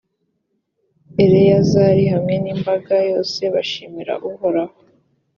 eleyazari hamwe n’imbaga yose bashimira uhoraho.